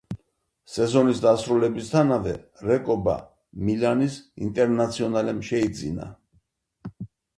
სეზონის დასრულებისთანავე რეკობა მილანის ინტერნაციონალემ შეიძინა.